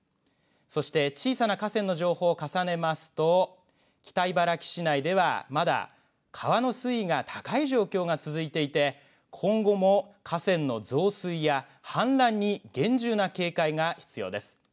そして小さな河川の情報を重ねますと北茨城市内ではまだ川の水位が高い状況が続いていて今後も河川の増水や氾濫に厳重な警戒が必要です。